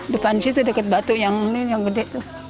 depan situ dekat batu yang gede